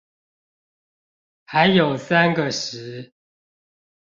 還有三個十